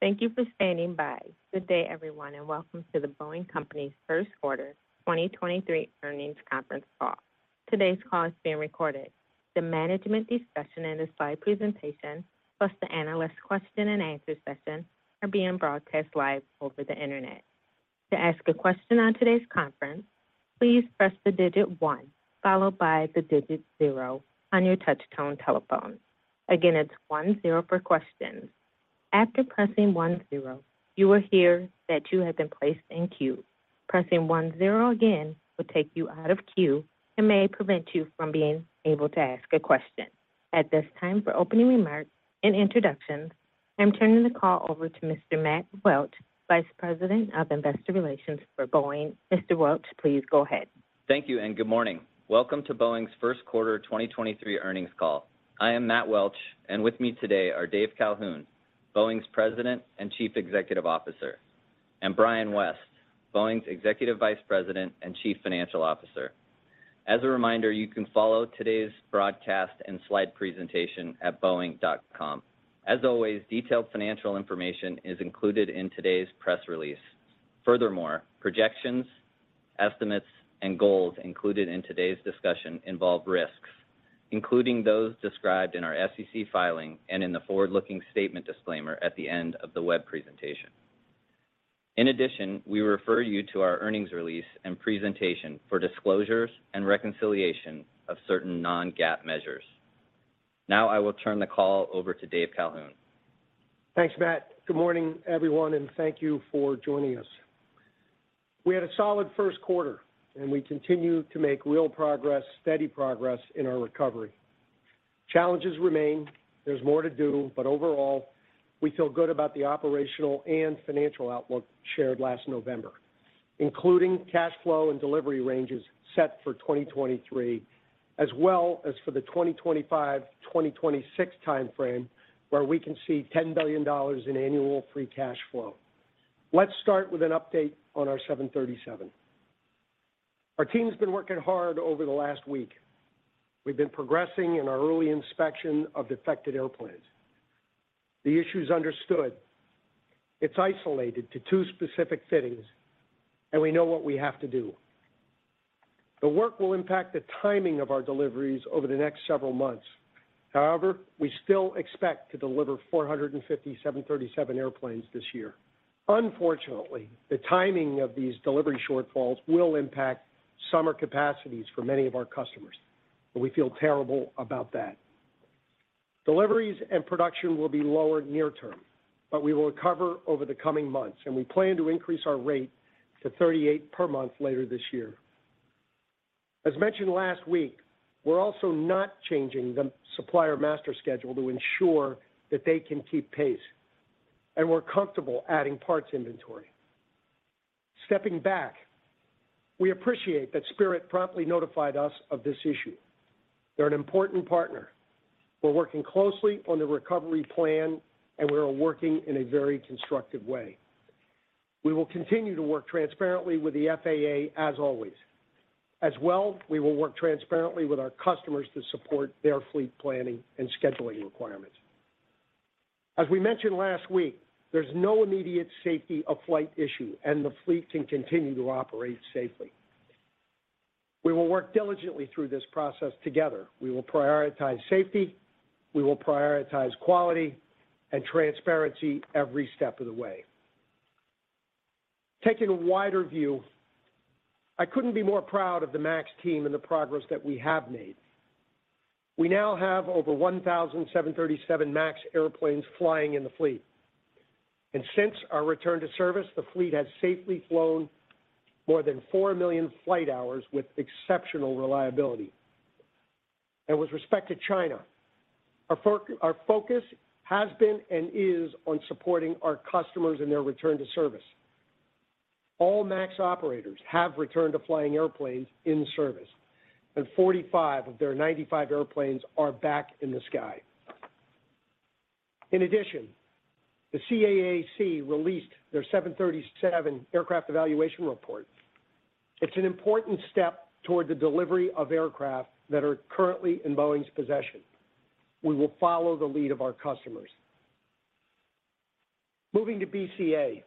Thank you for standing by. Good day, everyone, and welcome to The Boeing Company's Q1 2023 Earnings Conference Call. Today's call is being recorded. The management discussion and the slide presentation, plus the analyst question and answer session are being broadcast live over the Internet. To ask a question on today's conference, please press the digit one, followed by the digit zero on your touchtone telephone. Again, it's one, zero for questions. After pressing one, zero, you will hear that you have been placed in queue. Pressing one, zero again will take you out of queue and may prevent you from being able to ask a question. At this time, for opening remarks and introductions, I'm turning the call over to Mr. Matt Welch, Vice President of Investor Relations for Boeing. Mr. Welch, please go ahead. Thank you and good morning. Welcome to Boeing's Q1 2023 Earnings Call. I am Matt Welch, and with me today are Dave Calhoun, Boeing's President and Chief Executive Officer, and Brian West, Boeing's Executive Vice President and Chief Financial Officer. As a reminder, you can follow today's broadcast and slide presentation at boeing.com. As always, detailed financial information is included in today's press release. Furthermore, projections, estimates, and goals included in today's discussion involve risks, including those described in our SEC filing and in the forward-looking statement disclaimer at the end of the web presentation. In addition, we refer you to our earnings release and presentation for disclosures and reconciliation of certain non-GAAP measures. Now I will turn the call over to Dave Calhoun. Thanks, Matt. Good morning, everyone, and thank you for joining us. We had a solid Q1 and we continue to make real progress, steady progress in our recovery. Challenges remain. There's more to do, but overall, we feel good about the operational and financial outlook shared last November, including cash flow and delivery ranges set for 2023, as well as for the 2025/2026 time frame, where we can see $10 billion in annual free cash flow. Let's start with an update on our 737. Our team's been working hard over the last week. We've been progressing in our early inspection of affected airplanes. The issue is understood. It's isolated to two specific fittings, and we know what we have to do. The work will impact the timing of our deliveries over the next several months. However, we still expect to deliver 450 737 airplanes this year. Unfortunately, the timing of these delivery shortfalls will impact summer capacities for many of our customers, and we feel terrible about that. Deliveries and production will be lower near term, but we will recover over the coming months, and we plan to increase our rate to 38 per month later this year. As mentioned last week, we're also not changing the supplier master schedule to ensure that they can keep pace, and we're comfortable adding parts inventory. Stepping back, we appreciate that Spirit promptly notified us of this issue. They're an important partner. We're working closely on the recovery plan, and we are working in a very constructive way. We will continue to work transparently with the FAA as always. We will work transparently with our customers to support their fleet planning and scheduling requirements. We mentioned last week, there's no immediate safety of flight issue and the fleet can continue to operate safely. We will work diligently through this process together. We will prioritize safety. We will prioritize quality and transparency every step of the way. Taking a wider view, I couldn't be more proud of the MAX team and the progress that we have made. We now have over 1,000 737 MAX airplanes flying in the fleet. Since our return to service, the fleet has safely flown more than 4 million flight hours with exceptional reliability. With respect to China, our focus has been and is on supporting our customers in their return to service. All MAX operators have returned to flying airplanes in service, and 45 of their 95 airplanes are back in the sky. In addition, the CAAC released their 737 aircraft evaluation report. It's an important step toward the delivery of aircraft that are currently in Boeing's possession. We will follow the lead of our customers. Moving to BCA,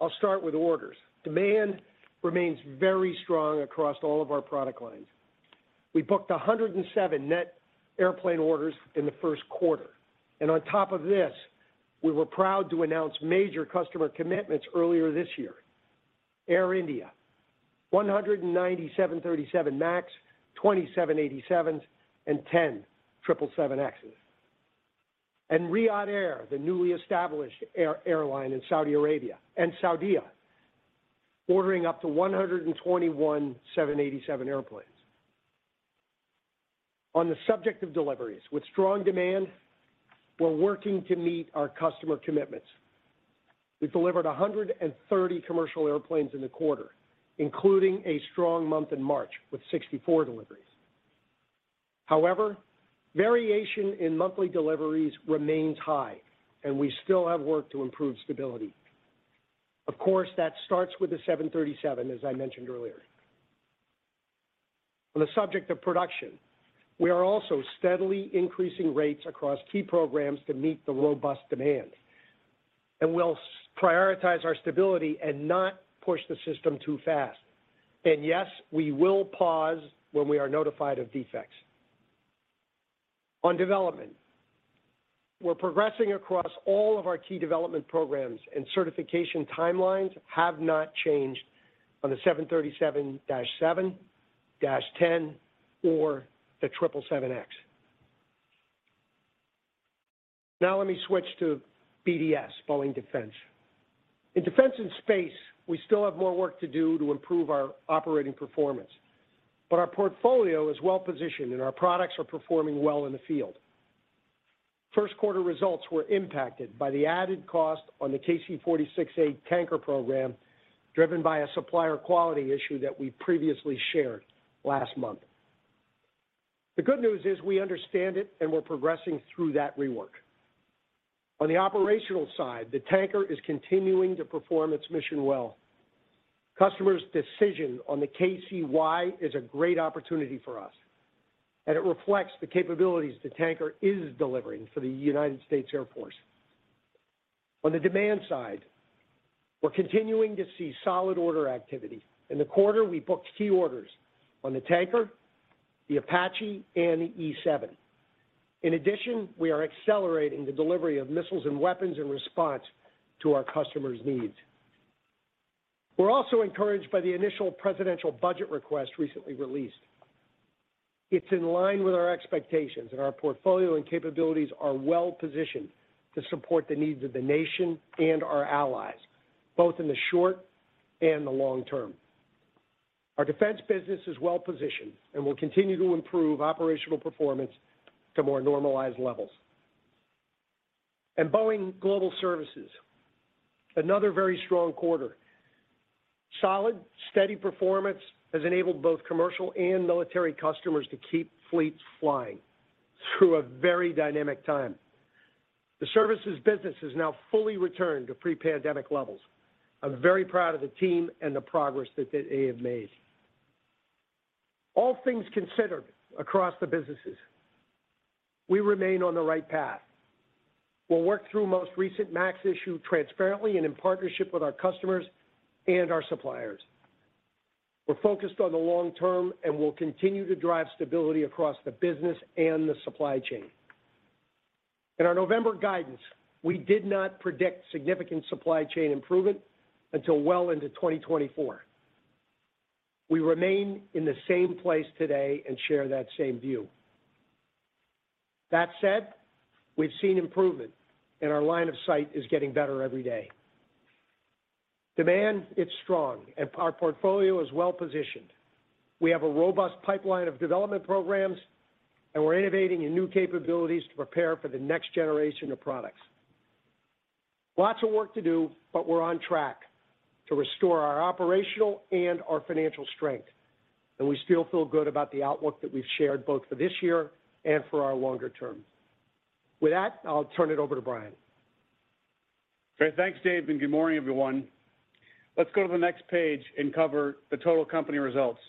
I'll start with orders. Demand remains very strong across all of our product lines. We booked 107 net airplane orders in the Q1. On top of this, we were proud to announce major customer commitments earlier this year. Air India, 190 737 MAX, 20 787s, and 10 777Xs. Riyadh Air, the newly established air-airline in Saudi Arabia, and SAUDIA, ordering up to 121 787 airplanes. On the subject of deliveries, with strong demand, we're working to meet our customer commitments. We delivered 130 commercial airplanes in the quarter, including a strong month in March with 64 deliveries. However, variation in monthly deliveries remains high, and we still have work to improve stability. Of course, that starts with the 737, as I mentioned earlier. On the subject of production, we are also steadily increasing rates across key programs to meet the robust demand. We'll prioritize our stability and not push the system too fast. Yes, we will pause when we are notified of defects. On development, we're progressing across all of our key development programs, and certification timelines have not changed on the 737-7, -10 or the 777X. Let me switch to BDS, Boeing Defense. In defense and space, we still have more work to do to improve our operating performance, but our portfolio is well positioned, and our products are performing well in the field. Q1 results were impacted by the added cost on the KC-46A tanker program, driven by a supplier quality issue that we previously shared last month. The good news is we understand it, and we're progressing through that rework. On the operational side, the tanker is continuing to perform its mission well. Customers' decision on the KC-Y is a great opportunity for us, and it reflects the capabilities the tanker is delivering for the United States Air Force. On the demand side, we're continuing to see solid order activity. In the quarter, we booked key orders on the tanker, the Apache, and the E-7. We are accelerating the delivery of missiles and weapons in response to our customers' needs. We're also encouraged by the initial presidential budget request recently released. It's in line with our expectations. Our portfolio and capabilities are well-positioned to support the needs of the nation and our allies, both in the short and the long term. Our defense business is well positioned and will continue to improve operational performance to more normalized levels. Boeing Global Services, another very strong quarter. Solid, steady performance has enabled both commercial and military customers to keep fleets flying through a very dynamic time. The services business has now fully returned to pre-pandemic levels. I'm very proud of the team and the progress that they have made. All things considered across the businesses, we remain on the right path. We'll work through most recent MAX issue transparently and in partnership with our customers and our suppliers. We're focused on the long term and will continue to drive stability across the business and the supply chain. In our November guidance, we did not predict significant supply chain improvement until well into 2024. We remain in the same place today and share that same view. That said, we've seen improvement, and our line of sight is getting better every day. Demand is strong, and our portfolio is well-positioned. We have a robust pipeline of development programs, and we're innovating in new capabilities to prepare for the next generation of products. Lots of work to do, but we're on track to restore our operational and our financial strength, and we still feel good about the outlook that we've shared both for this year and for our longer term. With that, I'll turn it over to Brian. Great. Thanks, Dave, and good morning, everyone. Let's go to the next page and cover the total company results.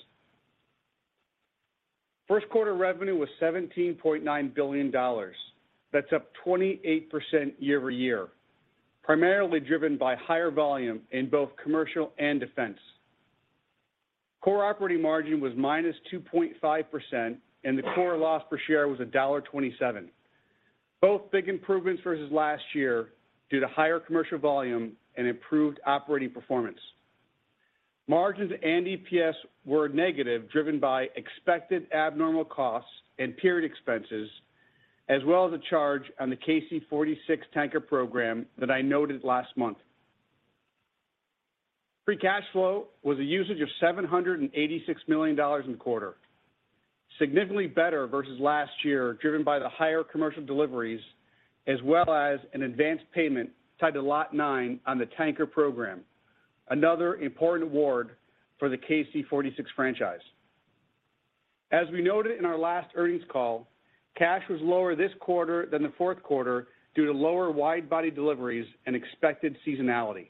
Q1 revenue was $17.9 billion. That's up 28% year-over-year, primarily driven by higher volume in both commercial and defense. Core operating margin was -2.5%, and the core loss per share was $1.27. Both big improvements versus last year due to higher commercial volume and improved operating performance. Margins and EPS were negative, driven by expected abnormal costs and period expenses, as well as a charge on the KC-46 tanker program that I noted last month. Free cash flow was a usage of $786 million in the quarter, significantly better versus last year, driven by the higher commercial deliveries as well as an advanced payment tied to Lot 9 on the tanker program, another important award for the KC-46 franchise. We noted in our last earnings call, cash was lower this quarter than the Q4 due to lower wide-body deliveries and expected seasonality.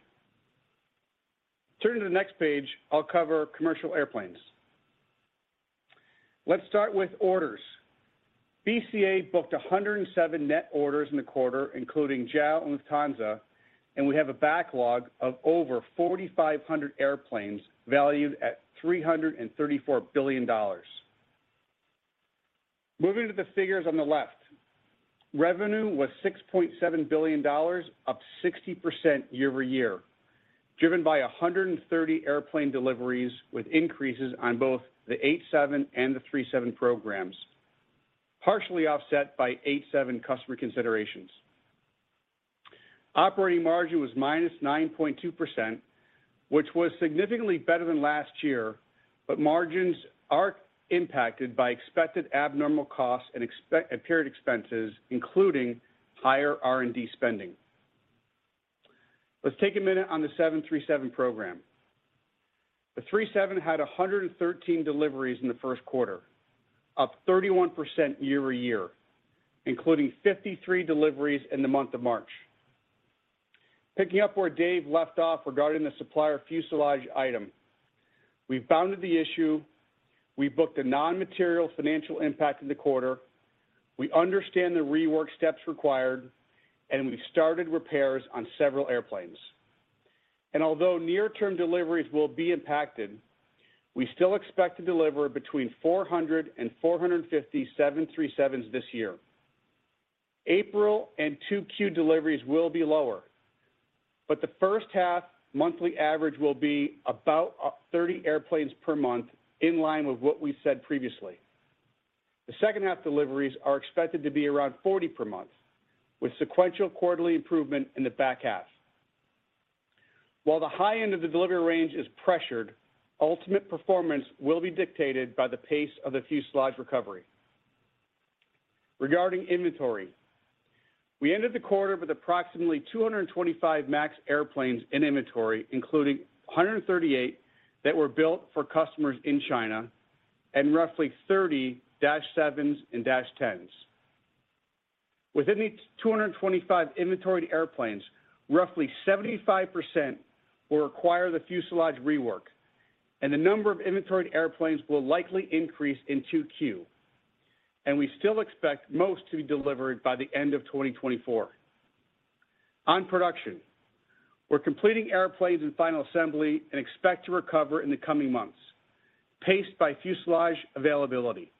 Turning to the next page, I'll cover commercial airplanes. Let's start with orders. BCA booked 107 net orders in the quarter, including JAL and Lufthansa, and we have a backlog of over 4,500 airplanes valued at $334 billion. Moving to the figures on the left. Revenue was $6.7 billion, up 60% year-over-year, driven by 130 airplane deliveries with increases on both the 787 and the 737 programs, partially offset by 787 customer considerations. Operating margin was -9.2%, which was significantly better than last year, Margins are impacted by expected abnormal costs and period expenses, including higher R&D spending. Let's take a minute on the 737 program. The 737 had 113 deliveries in the Q1, up 31% year-over-year, including 53 deliveries in the month of March. Picking up where Dave left off regarding the supplier fuselage item. We've bounded the issue, we've booked a non-material financial impact in the quarter, we understand the rework steps required, and we started repairs on several airplanes. Although near-term deliveries will be impacted, we still expect to deliver between 400 and 450 737s this year. April and 2Q deliveries will be lower. The first half monthly average will be about 30 airplanes per month in line with what we said previously. The second half deliveries are expected to be around 40 per month, with sequential quarterly improvement in the back half. While the high end of the delivery range is pressured, ultimate performance will be dictated by the pace of the fuselage recovery. Regarding inventory, we ended the quarter with approximately 225 MAX airplanes in inventory, including 138 that were built for customers in China and roughly 30 -7s and -10s. Within these 225 inventoried airplanes, roughly 75% will require the fuselage rework. The number of inventoried airplanes will likely increase in 2Q. We still expect most to be delivered by the end of 2024. On production, we're completing airplanes in final assembly and expect to recover in the coming months, paced by fuselage availability.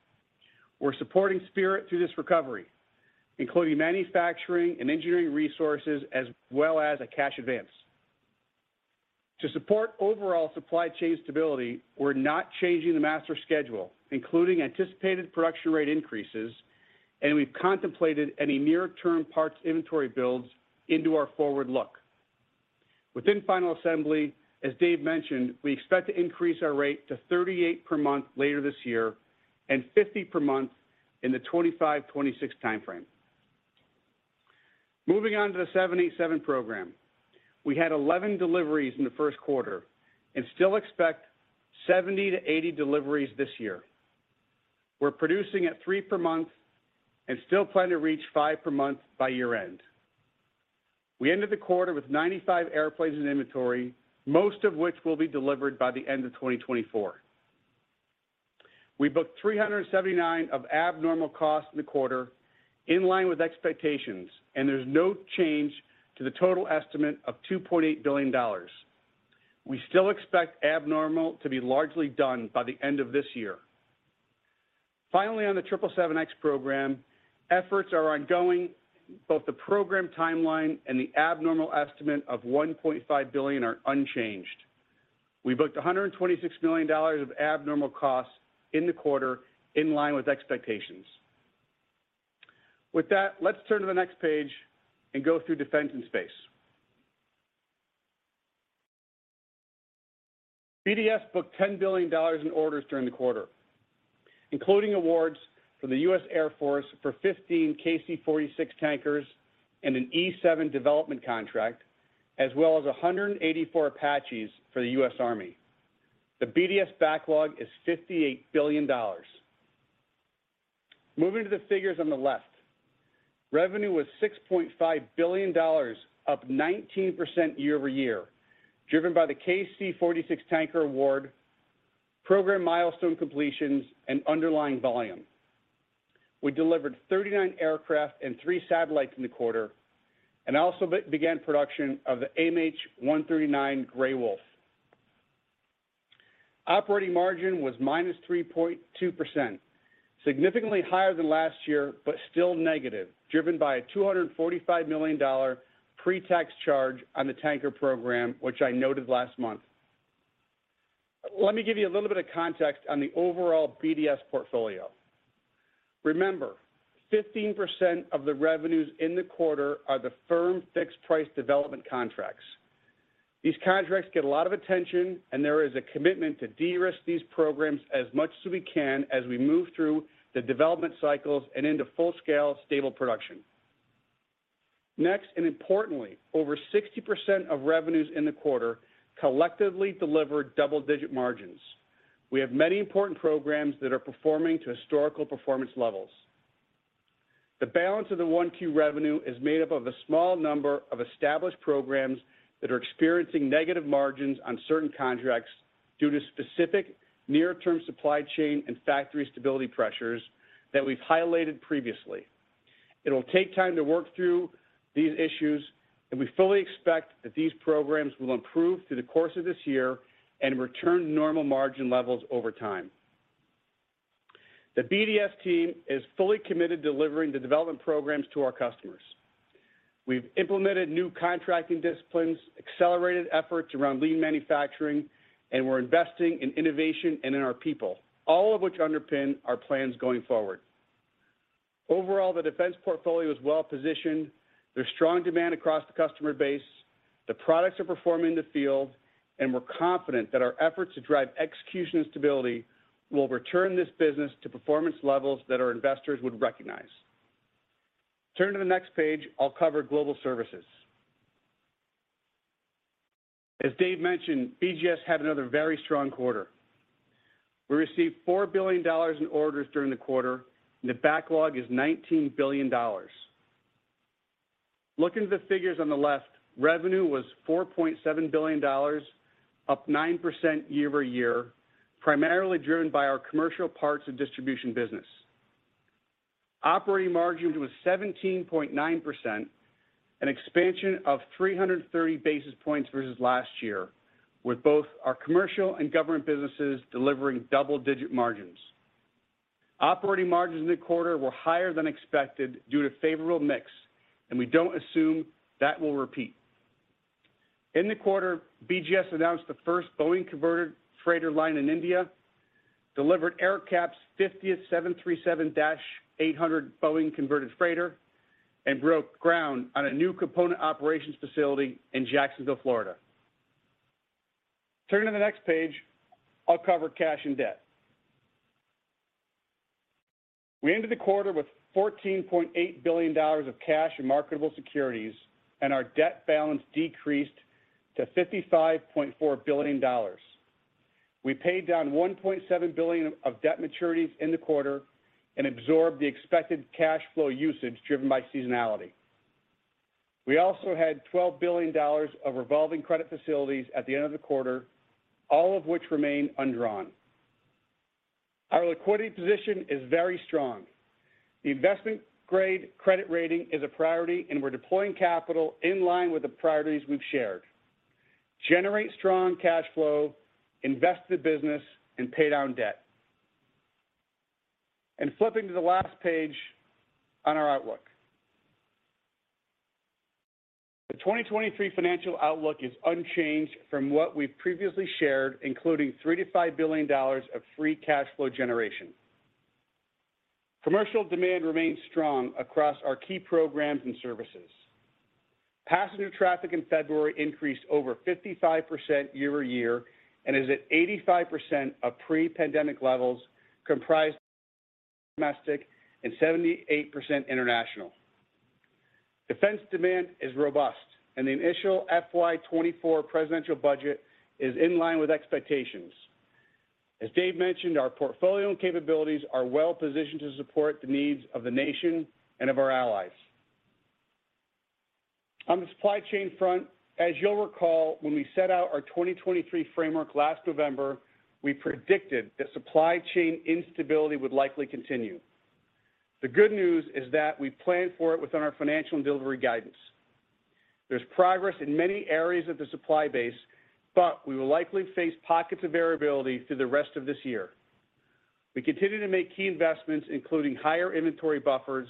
We're supporting Spirit through this recovery, including manufacturing and engineering resources as well as a cash advance. To support overall supply chain stability, we're not changing the master schedule, including anticipated production rate increases. We've contemplated any near-term parts inventory builds into our forward look. Within final assembly, as Dave mentioned, we expect to increase our rate to 38 per month later this year. 50 per month in the 2025-2026 time frame. Moving on to the 787 program. We had 11 deliveries in the Q1 and still expect 70-80 deliveries this year. We're producing at three per month and still plan to reach five per month by year-end. We ended the quarter with 95 airplanes in inventory, most of which will be delivered by the end of 2024. We booked $379 of abnormal costs in the quarter in line with expectations, and there's no change to the total estimate of $2.8 billion. We still expect abnormal to be largely done by the end of this year. Finally, on the 777X program, efforts are ongoing. Both the program timeline and the abnormal estimate of $1.5 billion are unchanged. We booked $126 million of abnormal costs in the quarter in line with expectations. Let's turn to the next page and go through Defense and Space. BDS booked $10 billion in orders during the quarter, including awards from the US Air Force for 15 KC-46A tankers and an E-7 development contract, as well as 184 Apaches for the US Army. The BDS backlog is $58 billion. Moving to the figures on the left, revenue was $6.5 billion, up 19% year-over-year, driven by the KC-46A tanker award, program milestone completions, and underlying volume. We delivered 39 aircraft and three satellites in the quarter and also began production of the MH-139A Grey Wolf. Operating margin was -3.2%, significantly higher than last year, but still negative, driven by a $245 million pre-tax charge on the tanker program, which I noted last month. Let me give you a little bit of context on the overall BDS portfolio. Remember, 15% of the revenues in the quarter are the firm-fixed-price development contracts. These contracts get a lot of attention and there is a commitment to de-risk these programs as much as we can as we move through the development cycles and into full-scale stable production. Next, and importantly, over 60% of revenues in the quarter collectively delivered double-digit margins. We have many important programs that are performing to historical performance levels. The balance of the 1Q revenue is made up of a small number of established programs that are experiencing negative margins on certain contracts due to specific near-term supply chain and factory stability pressures that we've highlighted previously. It'll take time to work through these issues. We fully expect that these programs will improve through the course of this year and return to normal margin levels over time. The BDS team is fully committed to delivering the development programs to our customers. We've implemented new contracting disciplines, accelerated efforts around lean manufacturing. We're investing in innovation and in our people, all of which underpin our plans going forward. Overall, the defense portfolio is well positioned. There's strong demand across the customer base. The products are performing in the field. We're confident that our efforts to drive execution and stability will return this business to performance levels that our investors would recognize. Turn to the next page, I'll cover global services. As Dave mentioned, BGS had another very strong quarter. We received $4 billion in orders during the quarter. The backlog is $19 billion. Looking at the figures on the left, revenue was $4.7 billion, up 9% year-over-year, primarily driven by our commercial parts and distribution business. Operating margin was 17.9%, an expansion of 330 basis points versus last year, with both our commercial and government businesses delivering double-digit margins. Operating margins in the quarter were higher than expected due to favorable mix. We don't assume that will repeat. In the quarter, BGS announced the first Boeing converted freighter line in India, delivered AerCap's 50th 737-800 Boeing Converted Freighter, and broke ground on a new component operations facility in Jacksonville, Florida. Turning to the next page, I'll cover cash and debt. We ended the quarter with $14.8 billion of cash and marketable securities. Our debt balance decreased to $55.4 billion. We paid down $1.7 billion of debt maturities in the quarter and absorbed the expected cash flow usage driven by seasonality. We also had $12 billion of revolving credit facilities at the end of the quarter, all of which remain undrawn. Our liquidity position is very strong. The investment-grade credit rating is a priority, and we're deploying capital in line with the priorities we've shared. Generate strong cash flow, invest in the business, and pay down debt. Flipping to the last page on our outlook. The 2023 financial outlook is unchanged from what we've previously shared, including $3 billion-$5 billion of free cash flow generation. Commercial demand remains strong across our key programs and services. Passenger traffic in February increased over 55% year-over-year and is at 85% of pre-pandemic levels, comprised of domestic and 78% international. Defense demand is robust, the initial FY 2024 President's Budget is in line with expectations. As Dave mentioned, our portfolio and capabilities are well positioned to support the needs of the nation and of our allies. On the supply chain front, as you'll recall, when we set out our 2023 framework last November, we predicted that supply chain instability would likely continue. The good news is that we planned for it within our financial and delivery guidance. There's progress in many areas of the supply base, we will likely face pockets of variability through the rest of this year. We continue to make key investments, including higher inventory buffers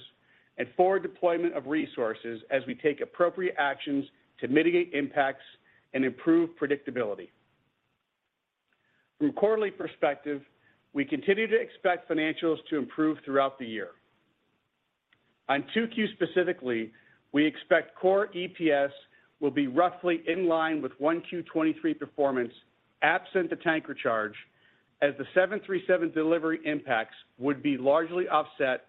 and forward deployment of resources as we take appropriate actions to mitigate impacts and improve predictability. From a quarterly perspective, we continue to expect financials to improve throughout the year. On 2Q specifically, we expect core EPS will be roughly in line with 1Q 2023 performance absent the tanker charge, as the 737 delivery impacts would be largely offset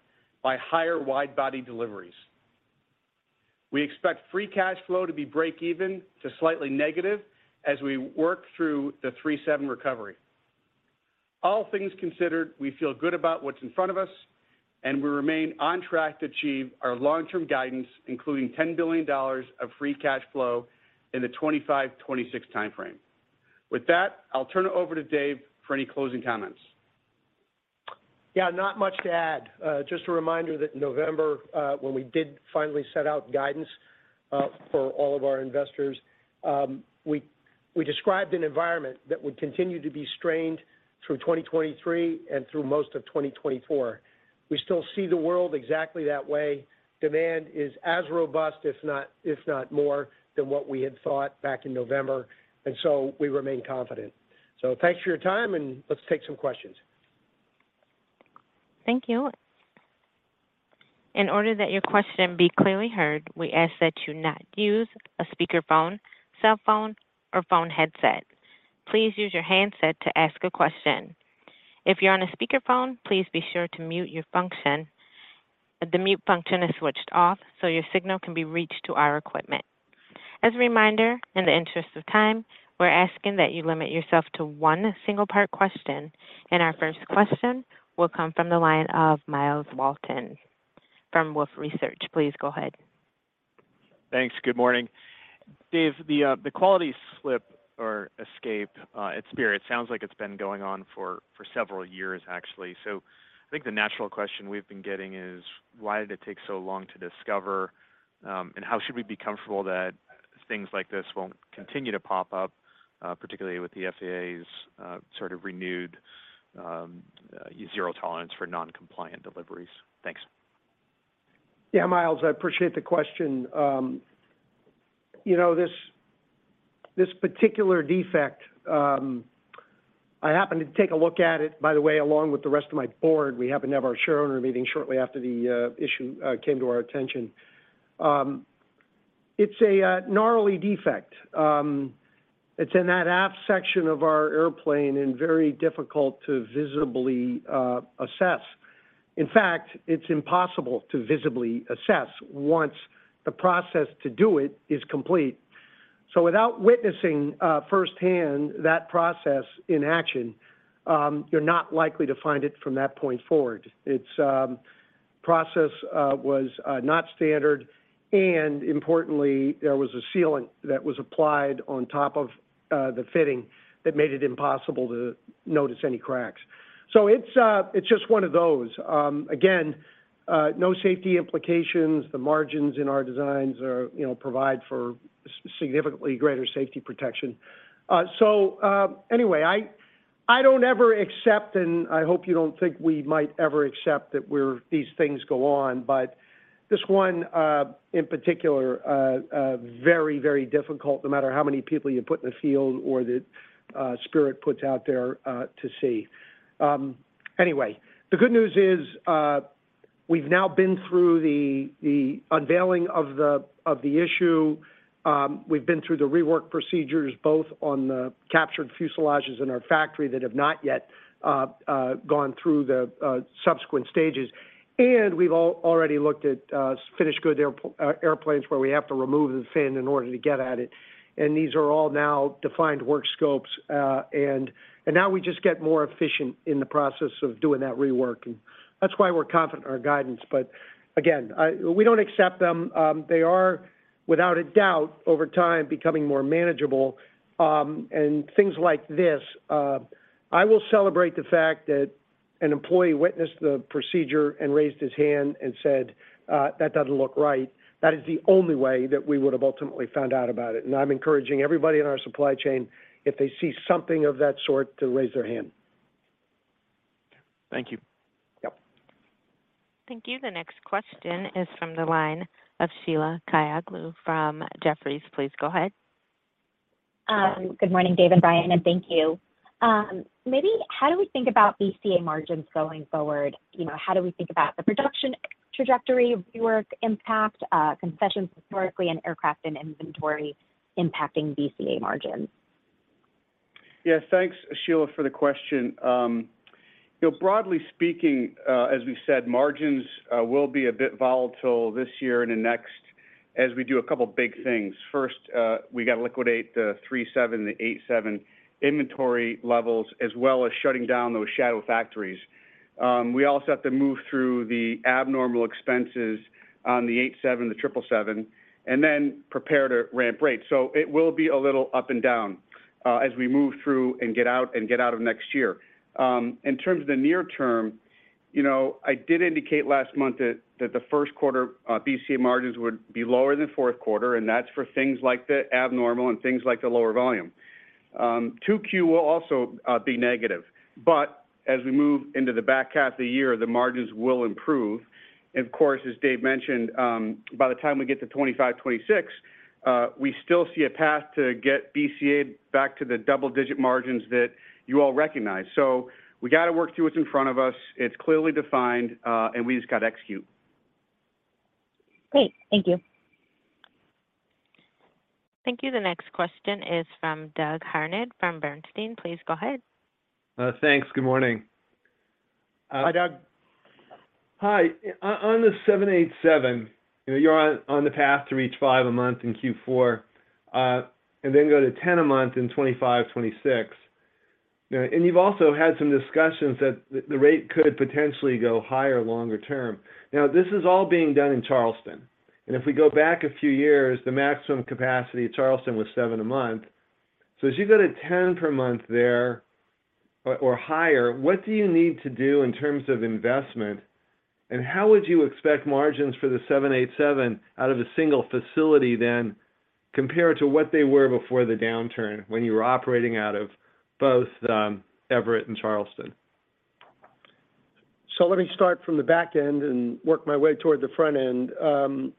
by higher wide-body deliveries. We expect free cash flow to be breakeven to slightly negative as we work through the 737 recovery. All things considered, we feel good about what's in front of us, and we remain on track to achieve our long-term guidance, including $10 billion of free cash flow in the 2025-2026 timeframe. With that, I'll turn it over to Dave for any closing comments. Yeah, not much to add. Just a reminder that in November, when we did finally set out guidance, for all of our investors, we described an environment that would continue to be strained through 2023 and through most of 2024. We still see the world exactly that way. Demand is as robust, if not more than what we had thought back in November, we remain confident. Thanks for your time, and let's take some questions. Thank you. In order that your question be clearly heard, we ask that you not use a speakerphone, cell phone, or phone headset. Please use your handset to ask a question. If you're on a speakerphone, please be sure to mute your function. The mute function is switched off, so your signal can be reached to our equipment. As a reminder, in the interest of time, we're asking that you limit yourself to one single part question. Our first question will come from the line of Myles Walton from Wolfe Research. Please go ahead. Thanks. Good morning. Dave, the quality slip or escape at Spirit sounds like it's been going on for several years, actually. I think the natural question we've been getting is, why did it take so long to discover, and how should we be comfortable that things like this won't continue to pop up, particularly with the FAA's sort of renewed zero tolerance for non-compliant deliveries? Thanks. Yeah, Myles, I appreciate the question. you know, this particular defect, I happened to take a look at it, by the way, along with the rest of my board. We happened to have our shareowner meeting shortly after the issue came to our attention. It's a gnarly defect. It's in that aft section of our airplane and very difficult to visibly assess. In fact, it's impossible to visibly assess once the process to do it is complete. Without witnessing firsthand that process in action, you're not likely to find it from that point forward. Its process was not standard, and importantly, there was a sealant that was applied on top of the fitting that made it impossible to notice any cracks. It's just one of those. Again, no safety implications. The margins in our designs are, you know, provide for significantly greater safety protection. Anyway, I don't ever accept, and I hope you don't think we might ever accept that these things go on. This one, in particular, very, very difficult, no matter how many people you put in the field or that Spirit puts out there, to see. Anyway, the good news is, we've now been through the unveiling of the issue. We've been through the rework procedures, both on the captured fuselages in our factory that have not yet gone through the subsequent stages, and we've already looked at finished good airplanes where we have to remove the fan in order to get at it, and these are all now defined work scopes. Now we just get more efficient in the process of doing that rework, and that's why we're confident in our guidance. Again, we don't accept them. They are, without a doubt, over time, becoming more manageable. Things like this, I will celebrate the fact that an employee witnessed the procedure and raised his hand and said, "That doesn't look right." That is the only way that we would have ultimately found out about it, and I'm encouraging everybody in our supply chain, if they see something of that sort, to raise their hand. Thank you. Yep. Thank you. The next question is from the line of Sheila Kahyaoglu from Jefferies. Please go ahead. Good morning, Dave and Brian, and thank you. Maybe how do we think about BCA margins going forward? You know, how do we think about the production trajectory, rework impact, concessions historically in aircraft and inventory impacting BCA margins? Thanks, Sheila, for the question. You know, broadly speaking, as we've said, margins will be a bit volatile this year and the next as we do a couple big things. First, we gotta liquidate the 737 and the 787 inventory levels, as well as shutting down those shadow factories. We also have to move through the abnormal expenses on the 787, the Triple Seven, and then prepare to ramp rate. It will be a little up and down as we move through and get out, and get out of next year. In terms of the near term, you know, I did indicate last month that the Q1 BCA margins would be lower than Q4, and that's for things like the abnormal and things like the lower volume. 2Q will also be negative, but as we move into the back half of the year, the margins will improve. As Dave mentioned, by the time we get to 2025, 2026, we still see a path to get BCA back to the double-digit margins that you all recognize. We gotta work through what's in front of us. It's clearly defined, and we just got to execute. Great. Thank you. Thank you. The next question is from Doug Harned from Bernstein. Please go ahead. Thanks. Good morning. Hi, Doug. Hi. On the 787, you know, you're on the path to reach five a month in Q4, and then go to 10 a month in 2025, 2026. You know, you've also had some discussions that the rate could potentially go higher longer term. This is all being done in Charleston, if we go back a few years, the maximum capacity at Charleston was 7 a month. As you go to 10 per month there or higher, what do you need to do in terms of investment, how would you expect margins for the 787 out of a single facility then compare to what they were before the downturn when you were operating out of both Everett and Charleston? Let me start from the back end and work my way toward the front end.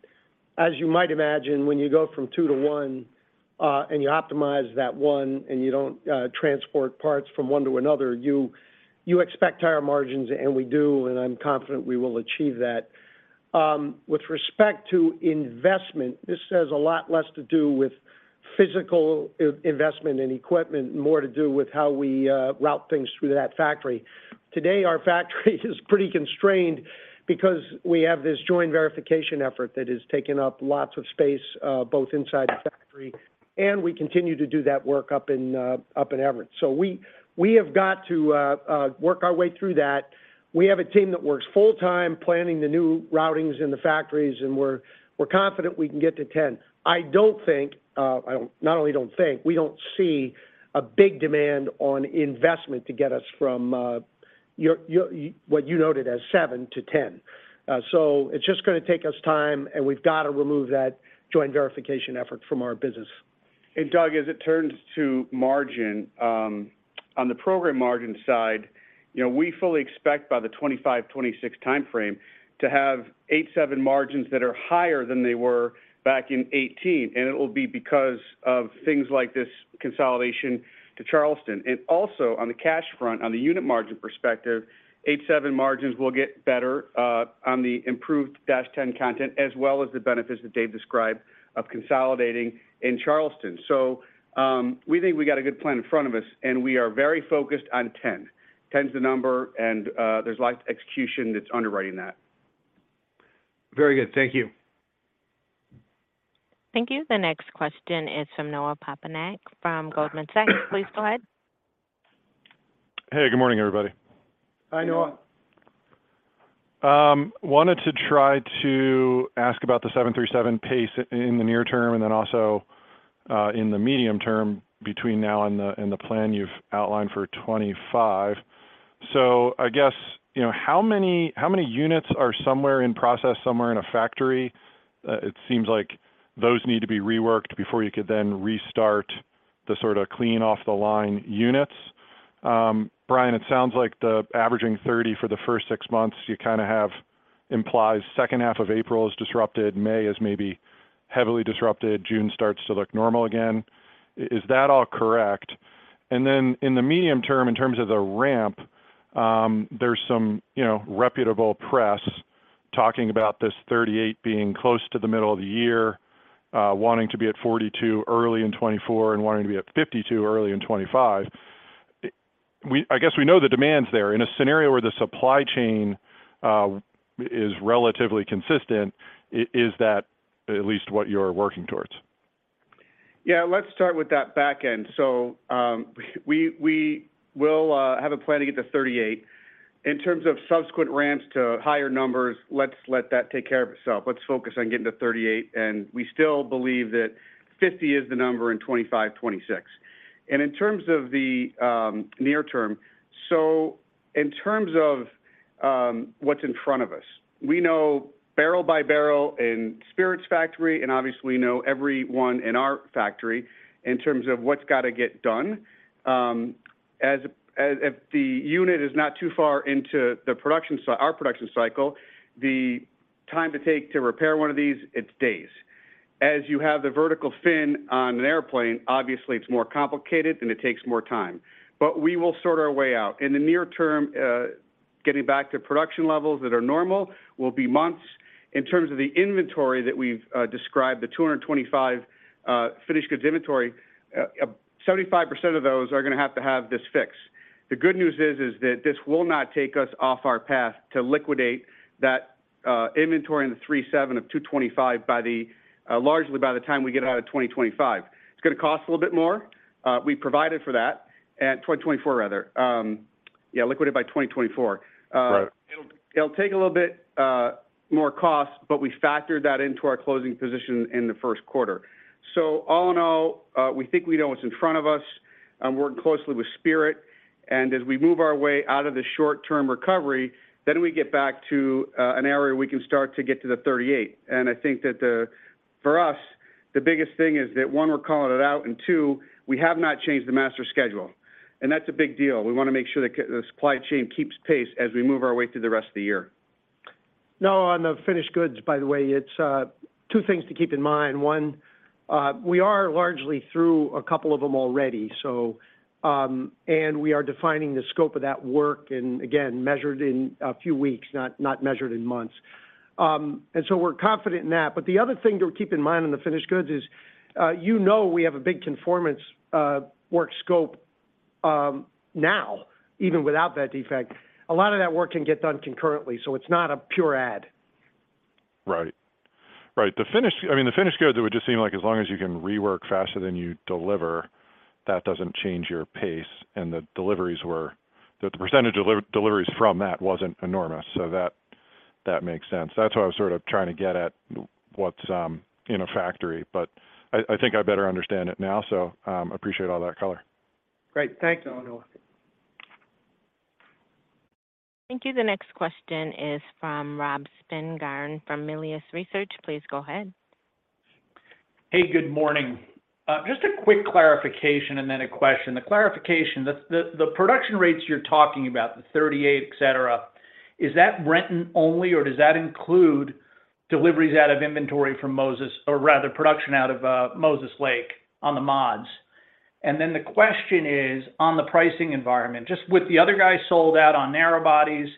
As you might imagine, when you go from 2 to 1, and you optimize that 1 and you don't transport parts from 1 to another, you expect higher margins, and we do, and I'm confident we will achieve that. With respect to investment, this has a lot less to do with physical investment and equipment, more to do with how we route things through that factory. Today, our factory is pretty constrained because we have this joint verification effort that has taken up lots of space, both inside the factory, and we continue to do that work up in Everett. We have got to work our way through that. We have a team that works full-time planning the new routings in the factories, and we're confident we can get to 10. I don't think, not only don't think, we don't see a big demand on investment to get us from your what you noted as 7 to 10. It's just gonna take us time, and we've got to remove that joint verification effort from our business. Doug, as it turns to margin, on the program margin side, you know, we fully expect by the 2025, 2026 timeframe to have 787 margins that are higher than they were back in 2018, and it'll be because of things like this consolidation to Charleston. Also, on the cash front, on the unit margin perspective, 787 margins will get better on the improved -10 content, as well as the benefits that Dave described of consolidating in Charleston. We think we got a good plan in front of us, we are very focused on 10. 10's the number, there's a lot of execution that's underwriting that. Very good. Thank you. The next question is from Noah Poponak from Goldman Sachs. Please go ahead. Hey, good morning, everybody. Hi, Noah. Wanted to try to ask about the 737 pace in the near term, then also, in the medium term between now and the plan you've outlined for 25. I guess, you know, how many, how many units are somewhere in process, somewhere in a factory? It seems like those need to be reworked before you could then restart the sort of clean off the line units. Brian, it sounds like the averaging 30 for the first six months you kind of have implies second half of April is disrupted, May is maybe heavily disrupted, June starts to look normal again. Is that all correct? In the medium term, in terms of the ramp, there's some, you know, reputable press talking about this 38 being close to the middle of the year, wanting to be at 42 early in 2024 and wanting to be at 52 early in 2025. I guess we know the demand's there. In a scenario where the supply chain is relatively consistent, is that at least what you're working towards? Let's start with that back end. We will have a plan to get to 38. In terms of subsequent ramps to higher numbers, let's let that take care of itself. Let's focus on getting to 38, and we still believe that 50 is the number in 2025, 2026. In terms of the near term, in terms of what's in front of us, we know barrel by barrel in Spirit's factory, and obviously we know every one in our factory in terms of what's got to get done. As if the unit is not too far into our production cycle, the time to take to repair one of these, it's days. As you have the vertical fin on an airplane, obviously it's more complicated, and it takes more time. We will sort our way out. In the near term, getting back to production levels that are normal will be months. In terms of the inventory that we've described, the 225 finished goods inventory, 75% of those are gonna have to have this fixed. The good news is that this will not take us off our path to liquidate that inventory in the 37 of 225 by the largely by the time we get out of 2025. It's gonna cost a little bit more. We provided for that. 2024 rather. Yeah, liquidated by 2024. Right. it'll take a little bit more cost, but we factored that into our closing position in the Q1. All in all, we think we know what's in front of us. I'm working closely with Spirit, and as we move our way out of the short-term recovery, then we get back to an area we can start to get to the 38. I think that for us, the biggest thing is that, one, we're calling it out, and two, we have not changed the master schedule. That's a big deal. We want to make sure the supply chain keeps pace as we move our way through the rest of the year. Noah, on the finished goods, by the way, it's two things to keep in mind. One, we are largely through a couple of them already, so we are defining the scope of that work, and again, measured in a few weeks, not measured in months. We're confident in that. The other thing to keep in mind on the finished goods is, you know we have a big conformance work scope now, even without that defect. A lot of that work can get done concurrently, so it's not a pure add. Right. Right. I mean, the finished goods, it would just seem like as long as you can rework faster than you deliver, that doesn't change your pace. The percentage deliveries from that wasn't enormous, so that makes sense. That's why I was sort of trying to get at what's in a factory. I think I better understand it now, so appreciate all that color. Great. Thanks, Noah. Thank you. The next question is from Rob Spingarn from Melius Research. Please go ahead. Good morning. Just a quick clarification and then a question. The clarification, the production rates you're talking about, the 38, et cetera, is that Renton only, or does that include deliveries out of inventory from Moses, or rather production out of Moses Lake on the mods? The question is on the pricing environment, just with the other guys sold out on narrow-bodies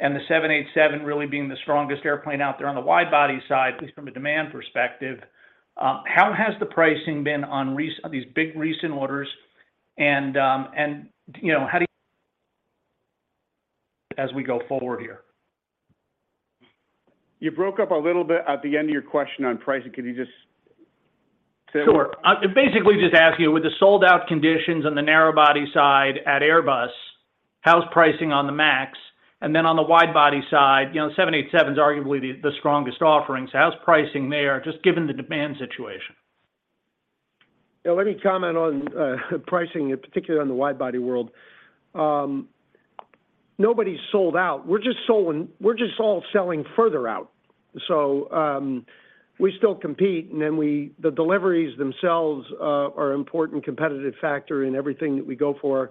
and the 787 really being the strongest airplane out there on the wide-body side, at least from a demand perspective, how has the pricing been on these big recent orders and, you know, how do you as we go forward here? You broke up a little bit at the end of your question on pricing. Can you just? Sure. I'm basically just asking you, with the sold-out conditions on the narrow body side at Airbus, how's pricing on the MAX? Then on the wide body side, you know, the 787's arguably the strongest offering. How's pricing there just given the demand situation? Yeah. Let me comment on pricing, in particular on the wide-body world. Nobody's sold out. We're just sold, and we're just all selling further out. We still compete, and then the deliveries themselves are important competitive factor in everything that we go for,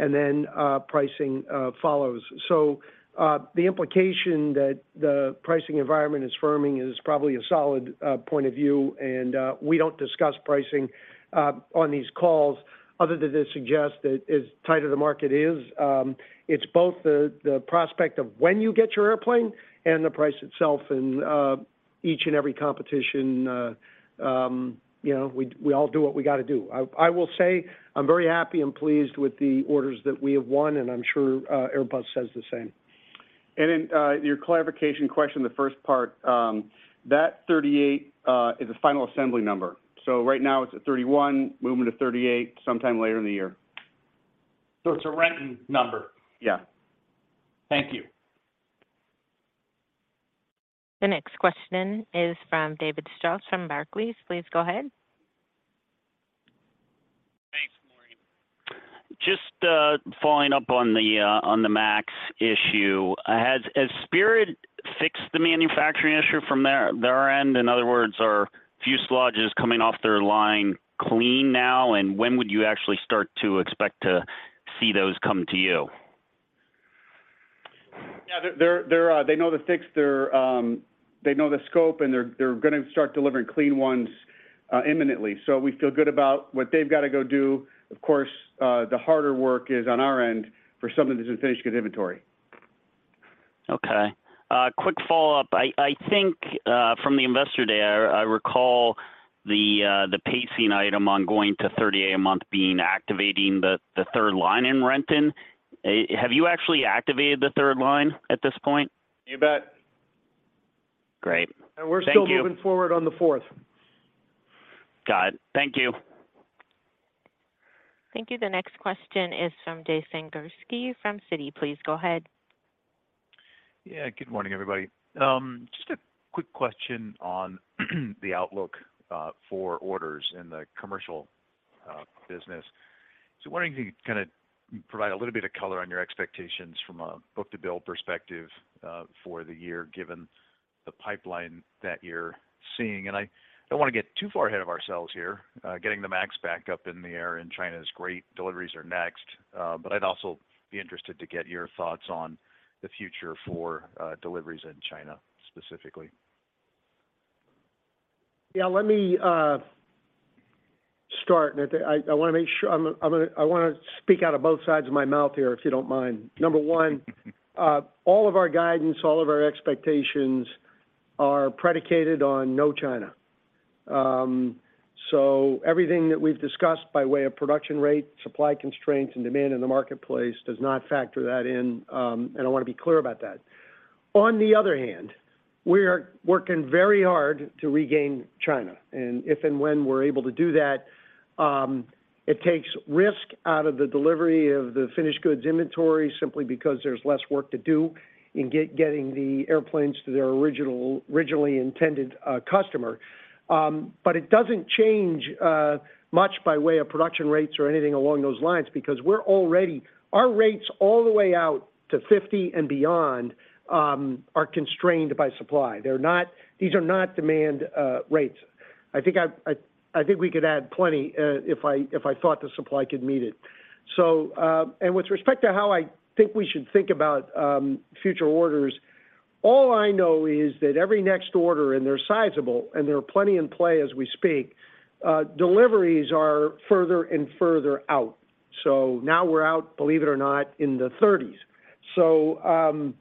and then pricing follows. The implication that the pricing environment is firming is probably a solid point of view. We don't discuss pricing on these calls other than to suggest that as tight as the market is, it's both the prospect of when you get your airplane and the price itself. Each and every competition, you know, we all do what we gotta do. I will say I'm very happy and pleased with the orders that we have won, and I'm sure Airbus says the same. Your clarification question, the first part, that 38 is the final assembly number. Right now it's at 31, moving to 38 sometime later in the year. It's a Renton number? Yeah. Thank you. The next question is from David Strauss from Barclays. Please go ahead. Thanks, Maureen. Just, following up on the, on the MAX issue. Has Spirit fixed the manufacturing issue from their end? In other words, are fuselages coming off their line clean now? When would you actually start to expect to see those come to you? Yeah, they're, they know the fix. They're, they know the scope, and they're gonna start delivering clean ones, imminently. We feel good about what they've gotta go do. Of course, the harder work is on our end for some of this is finished goods inventory. Okay. quick follow-up. I think from the Investor Day, I recall the pacing item on going to 38 a month being activating the third line in Renton. Have you actually activated the third line at this point? You bet. Great. Thank you. We're still moving forward on the fourth. Got it. Thank you. Thank you. The next question is from Jason Gursky from Citi. Please go ahead. Yeah. Good morning, everybody. Just a quick question on the outlook for orders in the commercial business. Wondering if you can kinda provide a little bit of color on your expectations from a book-to-bill perspective for the year, given the pipeline that you're seeing. I don't wanna get too far ahead of ourselves here. Getting the MAX back up in the air in China is great. Deliveries are next. I'd also be interested to get your thoughts on the future for deliveries in China specifically. Yeah, let me start. I wanna speak out of both sides of my mouth here, if you don't mind. Number one, all of our guidance, all of our expectations are predicated on no China. Everything that we've discussed by way of production rate, supply constraints, and demand in the marketplace does not factor that in, and I wanna be clear about that. On the other hand, we are working very hard to regain China. If and when we're able to do that, it takes risk out of the delivery of the finished goods inventory simply because there's less work to do in getting the airplanes to their originally intended customer. It doesn't change much by way of production rates or anything along those lines because we're already... Our rates all the way out to 2050 and beyond are constrained by supply. These are not demand rates. I think we could add plenty if I thought the supply could meet it. And with respect to how I think we should think about future orders, all I know is that every next order, and they're sizable, and there are plenty in play as we speak, deliveries are further and further out. Now we're out, believe it or not, in the 2030s.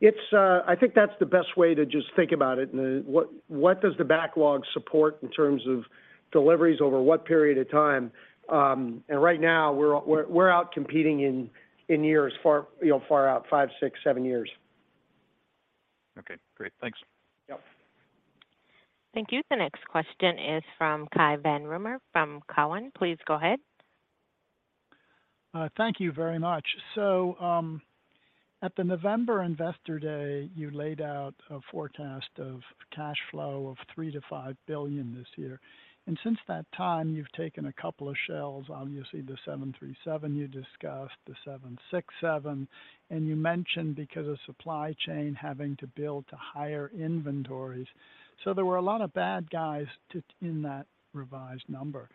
It's I think that's the best way to just think about it, and what does the backlog support in terms of deliveries over what period of time? Right now we're out competing in years far, you know, far out, 5, 6, 7 years. Okay. Great. Thanks. Yep. Thank you. The next question is from Cai von Rumohr from Cowen. Please go ahead. Thank you very much. At the November Investor Day, you laid out a forecast of cash flow of $3 billion-$5 billion this year, and since that time you've taken a couple of shells. Obviously the 737 you discussed, the 767, you mentioned because of supply chain having to build to higher inventories, there were a lot of bad guys to in that revised number.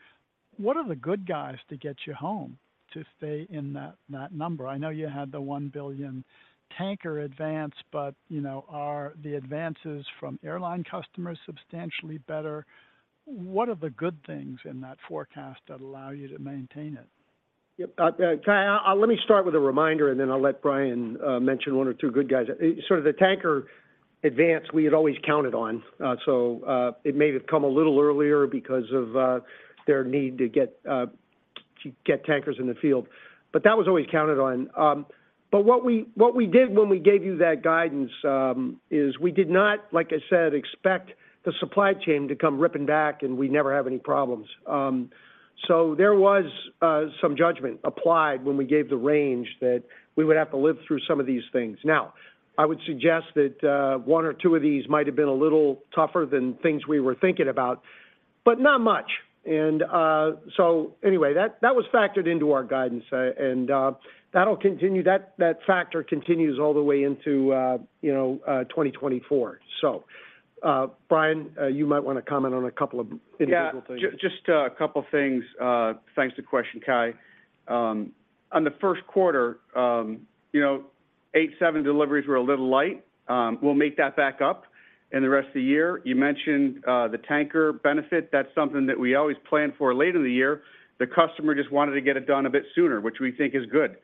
What are the good guys to get you home to stay in that number? I know you had the $1 billion tanker advance, you know, are the advances from airline customers substantially better? What are the good things in that forecast that allow you to maintain it? Yep. Cai, I, let me start with a reminder, and then I'll let Brian mention one or two good guys. The tanker advance we had always counted on, so it may have come a little earlier because of their need to get to get tankers in the field, but that was always counted on. What we, what we did when we gave you that guidance, is we did not, like I said, expect the supply chain to come ripping back, and we never have any problems. There was some judgment applied when we gave the range that we would have to live through some of these things. Now, I would suggest that one or two of these might have been a little tougher than things we were thinking about, but not much. Anyway, that was factored into our guidance, and, that'll continue. That factor continues all the way into, you know, 2024. Brian, you might wanna comment on a couple of individual things. Yeah. Just a couple things. Thanks, the question, Cai. On the Q1, you know, 787 deliveries were a little light. We'll make that back up in the rest of the year. You mentioned the tanker benefit. That's something that we always plan for later in the year. The customer just wanted to get it done a bit sooner, which we think is good.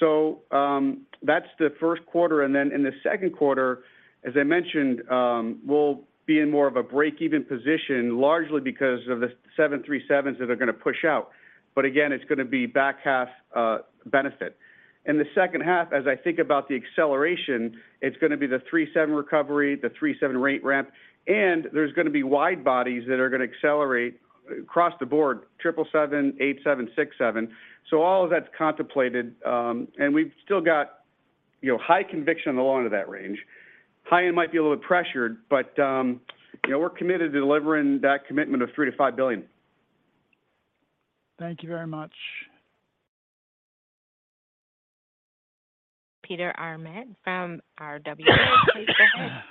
That's the Q1. In the Q2, as I mentioned, we'll be in more of a break-even position, largely because of the 737s that are gonna push out. Again, it's gonna be back half benefit. In the second half, as I think about the acceleration, it's gonna be the three seven recovery, the three seven rate ramp, and there's gonna be wide bodies that are gonna accelerate across the board, triple seven, eight seven, six seven. All of that's contemplated, and we've still got... You know, high conviction on the low end of that range. High end might be a little bit pressured. You know, we're committed to delivering that commitment of $3 billion-$5 billion. Thank you very much. Peter Arment from RWA, please go ahead.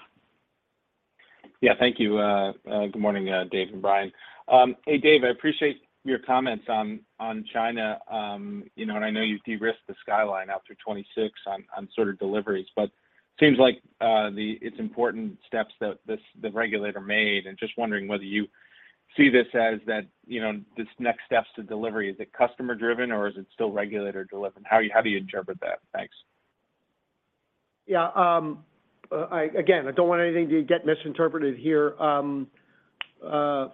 Yeah, thank you. Good morning, Dave and Brian. Hey, Dave, I appreciate your comments on China. You know, I know you've de-risked the skyline out through 2026 on sort of deliveries, but seems like it's important steps that the regulator made, and just wondering whether you see this as that, you know, this next steps to delivery. Is it customer driven, or is it still regulator delivered? How, how do you interpret that? Thanks. Yeah, again, I don't want anything to get misinterpreted here. The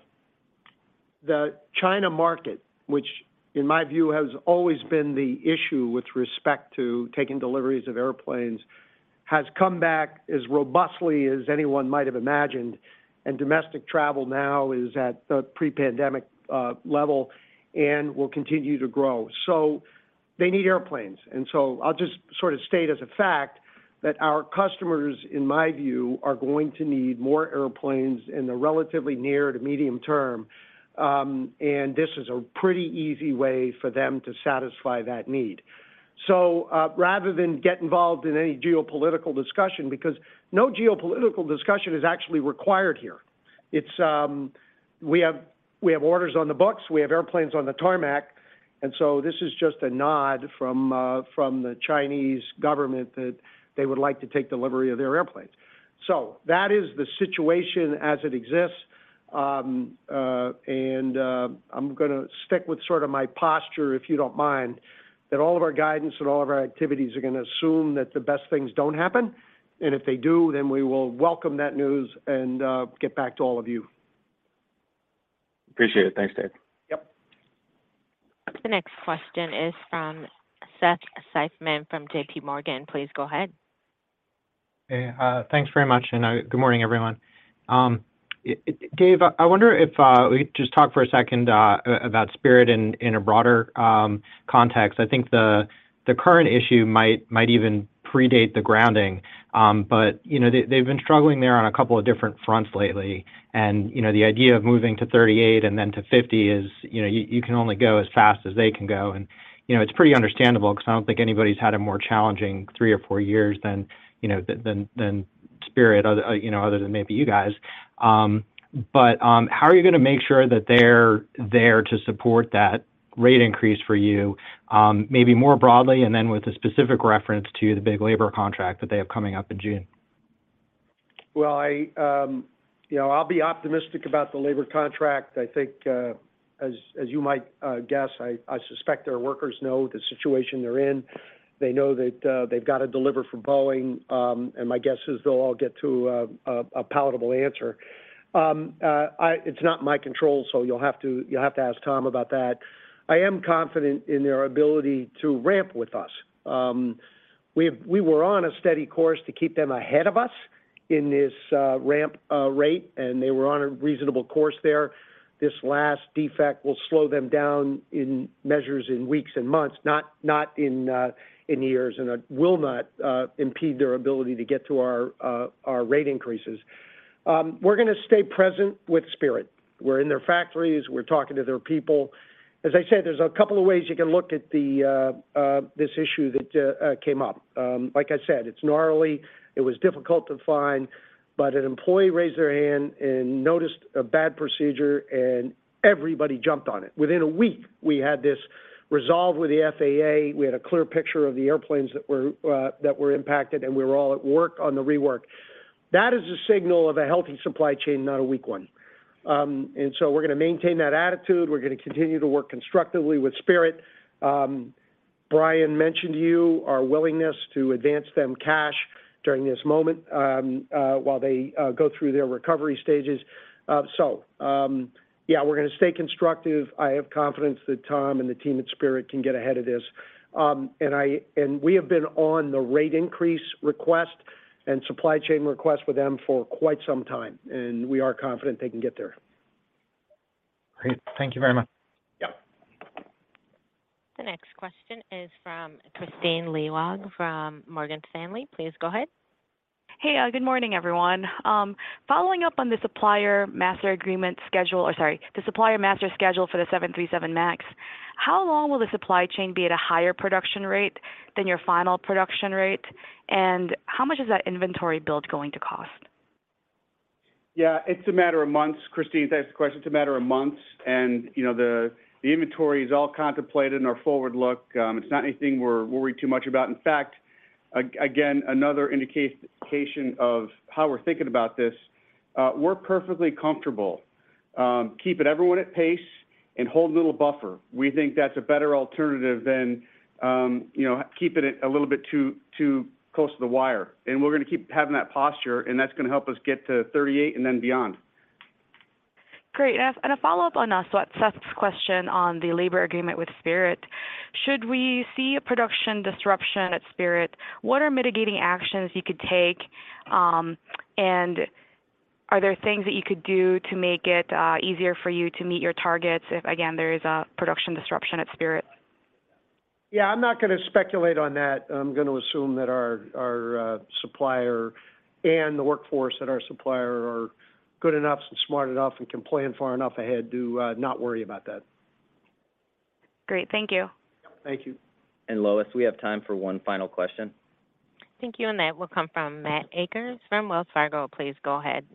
China market, which in my view has always been the issue with respect to taking deliveries of airplanes, has come back as robustly as anyone might have imagined. Domestic travel now is at the pre-pandemic level and will continue to grow. They need airplanes. I'll just sort of state as a fact that our customers, in my view, are going to need more airplanes in the relatively near to medium term, and this is a pretty easy way for them to satisfy that need. Rather than get involved in any geopolitical discussion, because no geopolitical discussion is actually required here. It's, we have orders on the books, we have airplanes on the tarmac. This is just a nod from the Chinese government that they would like to take delivery of their airplanes. That is the situation as it exists. I'm gonna stick with sort of my posture, if you don't mind, that all of our guidance and all of our activities are gonna assume that the best things don't happen. If they do, then we will welcome that news and get back to all of you. Appreciate it. Thanks, Dave. Yep. The next question is from Seth Seifman from J.P. Morgan. Please go ahead. Hey, thanks very much, and good morning, everyone. Dave, I wonder if we could just talk for a second about Spirit in a broader context. I think the current issue might even predate the grounding, but, you know, they've been struggling there on a couple of different fronts lately. You know, the idea of moving to 38 and then to 50 is, you know, you can only go as fast as they can go. You know, it's pretty understandable because I don't think anybody's had a more challenging three or four years than, you know, than Spirit, you know, other than maybe you guys. How are you going to make sure that they're there to support that rate increase for you, maybe more broadly, and then with a specific reference to the big labor contract that they have coming up in June? Well, I, you know, I'll be optimistic about the labor contract. I think, as you might guess, I suspect their workers know the situation they're in. They know that they've got to deliver for Boeing, and my guess is they'll all get to a palatable answer. It's not in my control, so you'll have to ask Tom about that. I am confident in their ability to ramp with us. We were on a steady course to keep them ahead of us in this ramp rate, and they were on a reasonable course there. This last defect will slow them down in measures in weeks and months, not in years, and it will not impede their ability to get to our rate increases. We're gonna stay present with Spirit. We're in their factories. We're talking to their people. As I said, there's a couple of ways you can look at this issue that came up. Like I said, it's gnarly. It was difficult to find, but an employee raised their hand and noticed a bad procedure, and everybody jumped on it. Within a week, we had this resolved with the FAA. We had a clear picture of the airplanes that were impacted, and we were all at work on the rework. That is a signal of a healthy supply chain, not a weak one. So we're gonna maintain that attitude. We're gonna continue to work constructively with Spirit. Brian mentioned to you our willingness to advance them cash during this moment while they go through their recovery stages. We're gonna stay constructive. I have confidence that Tom and the team at Spirit can get ahead of this. We have been on the rate increase request and supply chain request with them for quite some time, and we are confident they can get there. Great. Thank you very much. Yep. The next question is from Kristine Liwag from Morgan Stanley. Please go ahead. Hey, good morning, everyone. Following up on the supplier master schedule for the 737 MAX, how long will the supply chain be at a higher production rate than your final production rate? How much is that inventory build going to cost? Yeah, it's a matter of months. Kristine, thanks for the question. It's a matter of months. You know, the inventory is all contemplated in our forward look. It's not anything we're worried too much about. In fact, again, another indication of how we're thinking about this, we're perfectly comfortable, keeping everyone at pace and holding a little buffer. We think that's a better alternative than, you know, keeping it a little bit too close to the wire. We're gonna keep having that posture, and that's gonna help us get to 38 and then beyond. Great. A follow-up on Seth's question on the labor agreement with Spirit. Should we see a production disruption at Spirit? What are mitigating actions you could take? Are there things that you could do to make it easier for you to meet your targets if, again, there is a production disruption at Spirit? I'm not gonna speculate on that. I'm gonna assume that our supplier and the workforce at our supplier are good enough and smart enough and can plan far enough ahead to not worry about that. Great. Thank you. Thank you. Lois, we have time for one final question. Thank you. That will come from Matt Akers from Wells Fargo. Please go ahead.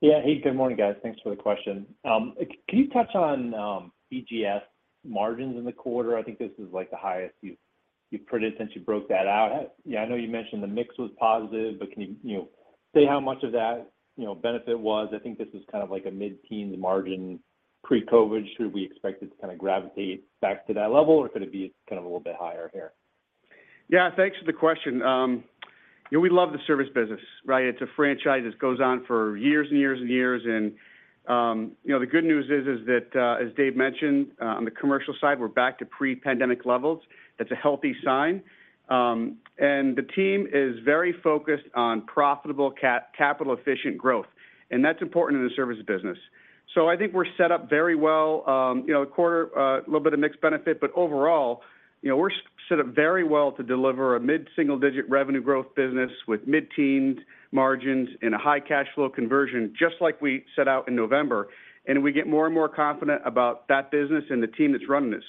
Yeah, hey, good morning, guys. Thanks for the question. Can you touch on BGS margins in the quarter? I think this is, like, the highest you've printed since you broke that out. Yeah, I know you mentioned the mix was positive, but can you know, say how much of that, you know, benefit was? I think this was kind of like a mid-teen margin pre-COVID. Should we expect it to kinda gravitate back to that level, or could it be kind of a little bit higher here? Yeah. Thanks for the question. You know, we love the service business, right? It's a franchise that goes on for years and years and years. You know, the good news is that as Dave mentioned, on the commercial side, we're back to pre-pandemic levels. That's a healthy sign. The team is very focused on profitable capital efficient growth, and that's important in the service business. I think we're set up very well. You know, the quarter, a little bit of mixed benefit, but overall, you know, we're set up very well to deliver a mid-single-digit revenue growth business with mid-teen margins and a high cash flow conversion, just like we set out in November. We get more and more confident about that business and the team that's running it.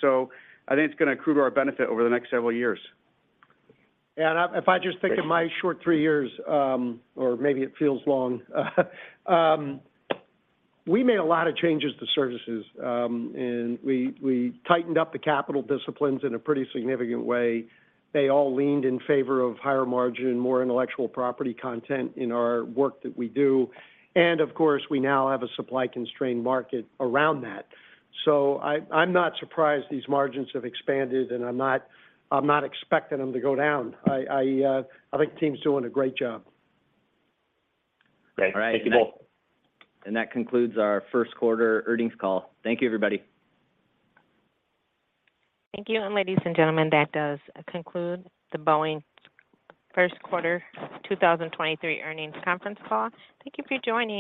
I think it's gonna accrue to our benefit over the next several years. Yeah. If I just think of my short three years, or maybe it feels long, we made a lot of changes to services. We tightened up the capital disciplines in a pretty significant way. They all leaned in favor of higher margin, more intellectual property content in our work that we do. Of course, we now have a supply-constrained market around that. I'm not surprised these margins have expanded, and I'm not expecting them to go down. I think the team's doing a great job. Great. Thank you both. All right. That concludes our Q1 earnings call. Thank you, everybody. Thank you. Ladies and gentlemen, that does conclude the Boeing Q1 2023 Earnings Conference Call. Thank you for joining.